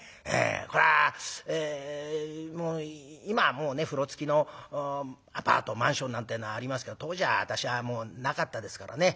これは今はもうね風呂付きのアパートマンションなんてえのありますけど当時は私はもうなかったですからね。